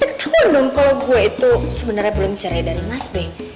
ya kan nanti ketahuan dong kalau gue itu sebenarnya belum cerai dari mas be